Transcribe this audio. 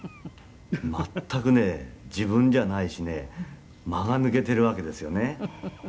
「全くね自分じゃないしね間が抜けているわけですよね」